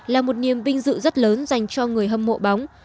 là một niềm vinh dự rất lớn dành cho người hâm mộ bóng